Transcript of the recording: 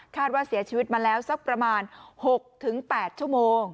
ว่าเสียชีวิตมาแล้วสักประมาณ๖๘ชั่วโมง